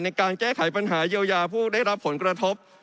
ในการแก้ไขปัญหาเยียวยาผู้ได้รับผลกระทบ